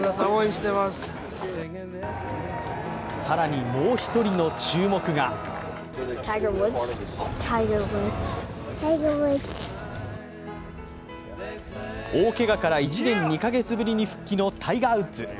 更に、もう１人の注目が大けがから１年２カ月ぶりに復帰のタイガー・ウッズ。